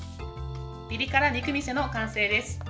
ピリ辛肉みその完成です。